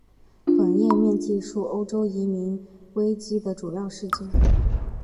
本页面记叙欧洲移民危机的主要事件。